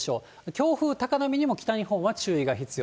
強風、高波にも北日本は注意が必要。